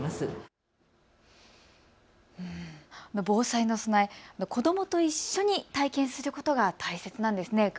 防災の備え、子どもと一緒に体験することが大切なんですね。